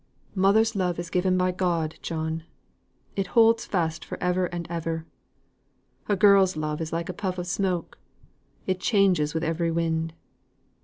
"Mother's love is given by God, John. It holds fast for ever and ever. A girl's love is like a puff of smoke, it changes with every wind.